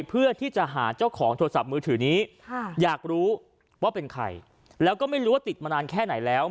เพื่อที่จะหาเจ้าของโทรศัพท์มือถือนี้อยากรู้ว่าเป็นใครแล้วก็ไม่รู้ว่าติดมานานแค่ไหนแล้ว